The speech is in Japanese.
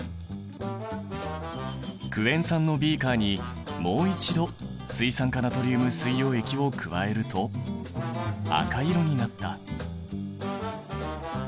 クエン酸のビーカーにもう一度水酸化ナトリウム水溶液を加えると赤色になった。